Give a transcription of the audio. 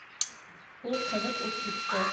— Ул ҡыҙып уҡ китте.